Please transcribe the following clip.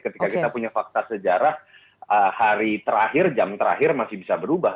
ketika kita punya fakta sejarah hari terakhir jam terakhir masih bisa berubah